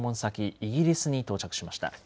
イギリスに到着しました。